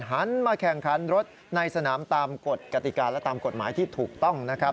หันมาแข่งขันรถในสนามตามกฎกติกาและตามกฎหมายที่ถูกต้องนะครับ